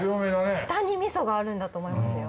下にみそがあるんだと思いますよ。